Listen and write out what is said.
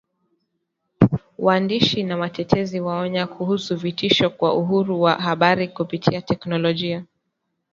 Waandishi na watetezi waonya kuhusu vitisho kwa uhuru wa habari kupitia teknolojia